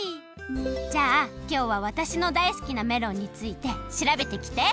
じゃあきょうはわたしのだいすきなメロンについてしらべてきて！